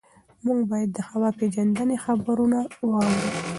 موږ باید د هوا پېژندنې خبرونه واورو.